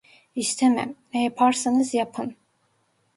İstemem. Ne yaparsanız yapın…